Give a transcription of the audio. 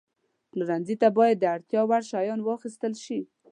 پلورنځي ته باید د اړتیا وړ شیان واخیستل شي.